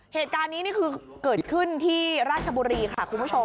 เหตุการณ์นี้นี่คือเกิดขึ้นที่ราชบุรีค่ะคุณผู้ชม